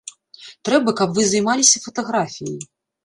Трэба, каб вы займаліся фатаграфіяй.